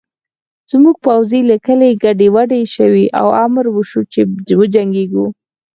زموږ پوځي لیکې ګډې وډې شوې او امر وشو چې وجنګېږو